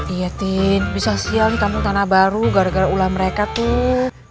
iya tin bisa sial di kampung tanah baru gara gara ulah mereka tuh